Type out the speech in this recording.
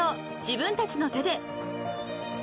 自分たちの手で］